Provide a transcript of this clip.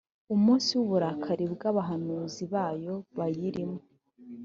umunsi w uburakari bwabahanuzi bayo bayirimo